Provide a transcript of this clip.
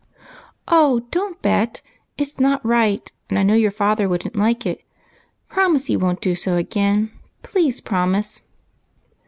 " Oh, don't bet, it 's not right, and I know your father would n't like it. Promise you won't do so again, please promise